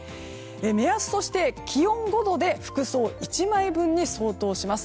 目安として気温５度で服装１枚分に相当します。